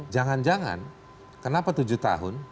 jangan jangan kenapa tujuh tahun